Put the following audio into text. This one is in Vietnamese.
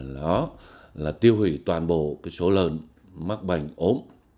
đó là tiêu hủy toàn bộ số lợn mắc bệnh ốm